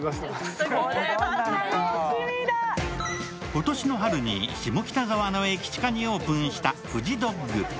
今年の春に下北沢の駅チカにオープンしたフジドッグ。